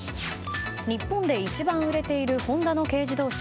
日本で一番売れているホンダの軽自動車